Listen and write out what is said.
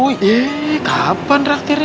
ih kapan raktirnya